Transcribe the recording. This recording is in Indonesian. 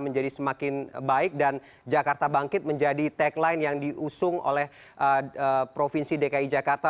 menjadi semakin baik dan jakarta bangkit menjadi tagline yang diusung oleh provinsi dki jakarta